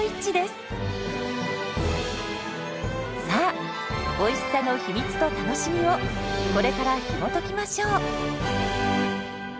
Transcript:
さあおいしさの秘密と楽しみをこれからひもときましょう！